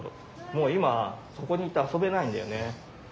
もう今そこに行って遊べないんだよね。